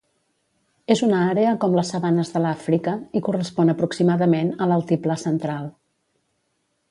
És una àrea, com les sabanes de l'Àfrica, i correspon aproximadament a l'Altiplà Central.